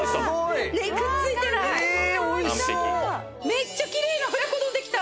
めっちゃきれいな親子丼できた！